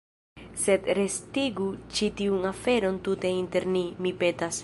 Sed restigu ĉi tiun aferon tute inter ni, mi petas.